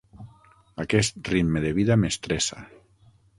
Aquest ritme de vida m'estressa.